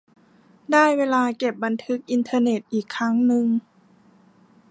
ได้เวลาเก็บบันทึกอินเทอร์เน็ตอีกครั้งนึง